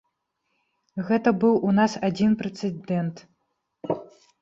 Гэта быў у нас адзін прэцэдэнт.